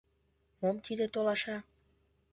Мом тиде толаша?